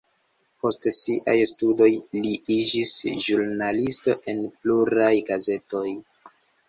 Post siaj studoj li iĝis ĵurnalisto en pluraj gazetoj.